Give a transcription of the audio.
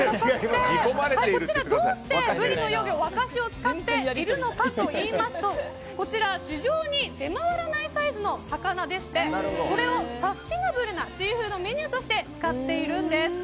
こちら、どうしてブリの幼魚ワカシを使っているのかといいますとこちら、市場に出回らないサイズの魚でしてそれをサスティナブルなシーフードメニューとして使っているんです。